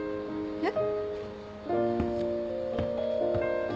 えっ？